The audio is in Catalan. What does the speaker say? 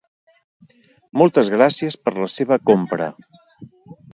Moltes gràcies per la seva compra.